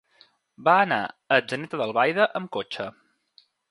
Va anar a Atzeneta d'Albaida amb cotxe.